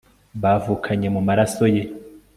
bavukanye mumaraso ye